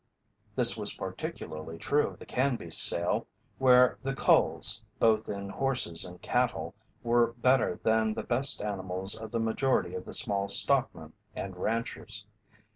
This was particularly true of the Canby sale, where the "culls," both in horses and cattle, were better than the best animals of the majority of the small stockmen and ranchers.